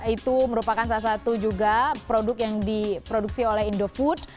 itu merupakan salah satu juga produk yang diproduksi oleh indofood